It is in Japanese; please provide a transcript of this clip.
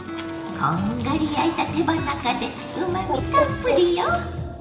こんがり焼いた手羽中でうまみたっぷりよ。